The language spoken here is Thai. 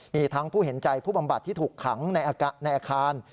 มีทั้งผู้เห็นใจผู้บำบัดที่ถูกขังในอาคาร